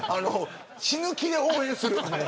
死ぬ気で応援する。